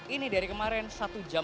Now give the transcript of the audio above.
ini dari kemarin satu jam